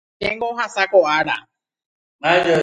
pya'etéiko ohasa ko ára